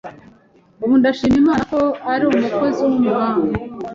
ubu ndashima Imana ko ari umukozi w’umuhanga